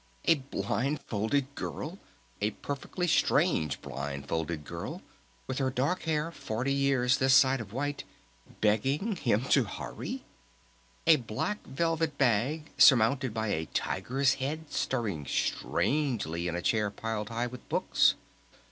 A blindfolded girl! A perfectly strange blindfolded girl ... with her dark hair forty years this side of white begging him to hurry!... A Black Velvet Bag surmounted by a Tiger's head stirring strangely in a chair piled high with books!...